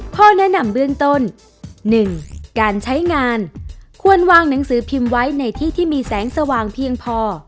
ข้อแนะนำเบื้องต้น๑การใช้งานควรวางหนังสือพิมพ์ไว้ในที่ที่มีแสงสว่างเพียงพอ